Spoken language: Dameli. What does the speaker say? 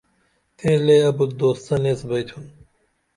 تئیں لے ابُت دوستن ایس بئتُھن